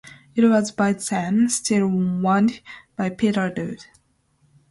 It was by then still owned by Peder Lou.